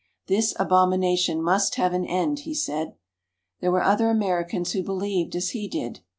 "This abomination must have an end," he said. There were other Americans who believed as he did.